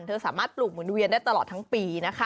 สามารถปลูกหมุนเวียนได้ตลอดทั้งปีนะคะ